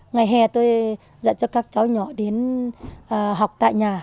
ngày hè tôi dạy cho các cháu nhỏ đến học tại nhà